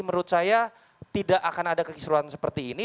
menurut saya tidak akan ada kekisruan seperti ini